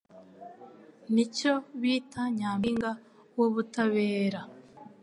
Nicyo bita nyampinga wubutabera.